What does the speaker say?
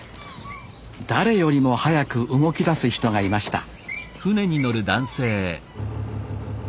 誰よりも早く動きだす人がいました